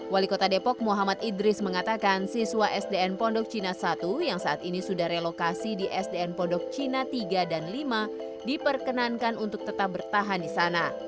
wali kota depok muhammad idris mengatakan siswa sdn pondok cina satu yang saat ini sudah relokasi di sdn pondok cina tiga dan lima diperkenankan untuk tetap bertahan di sana